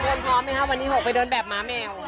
พร้อมไหมครับวันนี้หกไปเดินแบบม้าแมว